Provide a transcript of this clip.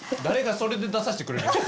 誰がそれで出させてくれる？